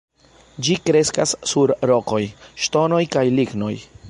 Ĝi kreskas sur rokoj, ŝtonoj kaj lignoj.